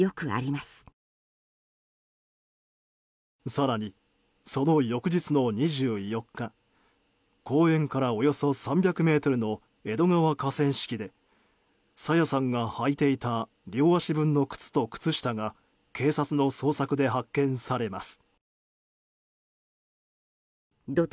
更に、その翌日の２４日公園からおよそ３００ｍの江戸川河川敷で朝芽さんが履いていた両足分の靴と靴下が警察の捜索で発見されます。